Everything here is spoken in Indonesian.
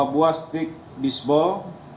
dua buah stick bisbol